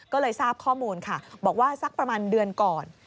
ก็เลยทราบข้อมูลค่ะบอกว่าสักประมาณเดือนก่อน